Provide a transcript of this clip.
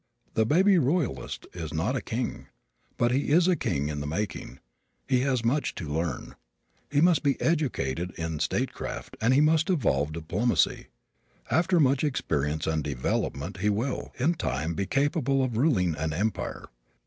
The baby royalist is not a king. But he is a king in the making. He has much to learn. He must be educated in statecraft and he must evolve diplomacy. After much experience and development he will, in time, be capable of ruling an empire.